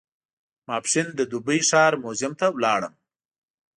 ماپښین د دوبۍ ښار موزیم ته ولاړم.